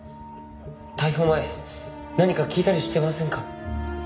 逮捕前何か聞いたりしてませんか？